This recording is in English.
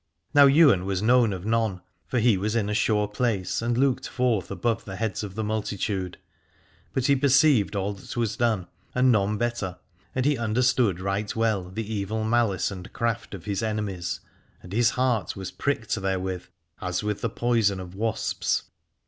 Now Ywain was known of none, for he was in a sure place and looked forth above the heads of the multitude. But he perceived all that was done, and none better, and he understood right well the evil malice and craft of his enemies, and his heart was pricked therewith as with the poison of wasps.